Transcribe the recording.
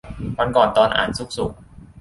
วันก่อนตอนอ่านซุกสุข